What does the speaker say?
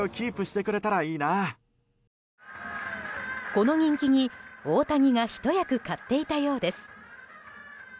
この人気に大谷がひと役買っていたようです。